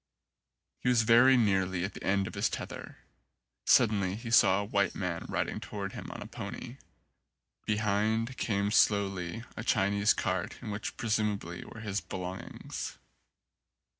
He was very nearly at the end of his tether. Suddenly he saw a white man riding towards him on a pony. Behind came slowly a Chinese cart in which presumably were his belong ings.